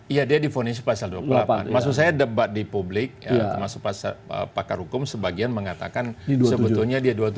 iya dia difonisi pasal dua puluh delapan maksud saya debat di publik termasuk pakar hukum sebagian mengatakan sebetulnya dia dua puluh tujuh